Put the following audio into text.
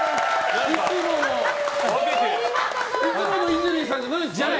いつものイジリーさんじゃない。